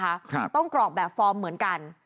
ครับต้องกรอกแบบฟอร์มเหมือนกัน